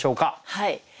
はい。